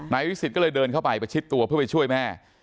วิสิตก็เลยเดินเข้าไปประชิดตัวเพื่อไปช่วยแม่